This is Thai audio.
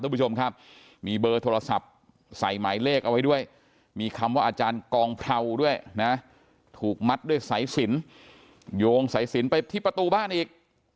คุณผู้ชมครับมีเบอร์โทรศัพท์ใส่หมายเลขเอาไว้ด้วยมีคำว่าอาจารย์กองเพราด้วยนะถูกมัดด้วยสายสินโยงสายสินไปที่ประตูบ้านอีก